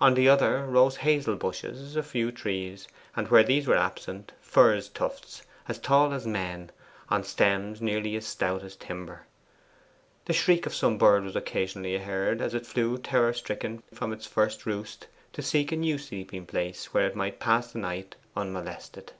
On the other rose hazel bushes, a few trees, and where these were absent, furze tufts as tall as men on stems nearly as stout as timber. The shriek of some bird was occasionally heard, as it flew terror stricken from its first roost, to seek a new sleeping place, where it might pass the night unmolested.